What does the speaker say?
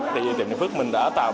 thì bình phước mình đã tạo